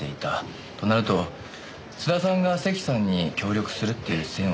となると津田さんが関さんに協力するっていう線はなさそうですね。